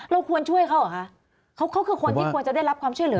เราควรช่วยเขาเหรอคะเขาเขาคือคนที่ควรจะได้รับความช่วยเหลือ